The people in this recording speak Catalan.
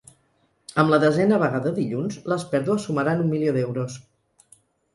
Amb la desena vaga de dilluns, les pèrdues sumaran un milió d’euros.